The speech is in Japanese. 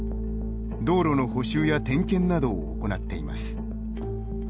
道路の補修や点検などを行っています。